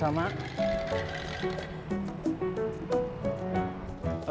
terima kasih kang